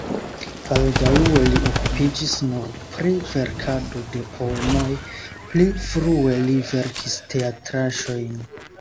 Baldaŭe li okupiĝis nur pri verkado de poemoj (pli frue li verkis teatraĵojn).